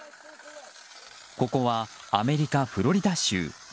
ここはアメリカ・フロリダ州。